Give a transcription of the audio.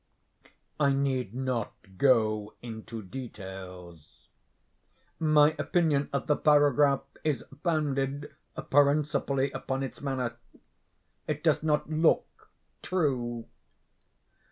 I need not go into details. My opinion of the paragraph is founded principally upon its manner. It does not look true.